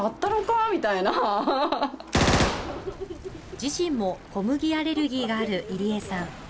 自身も小麦アレルギーがある入江さん。